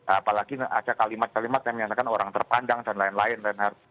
apalagi ada kalimat kalimat yang menyenangkan orang terpandang dan lain lain renard